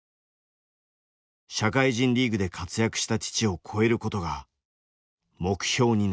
社会人リーグで活躍した父を超えることが目標になった。